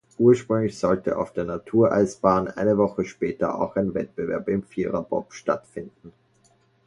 Ursprünglich sollte auf der Natureisbahn eine Woche später auch ein Wettbewerb im Viererbob stattfinden.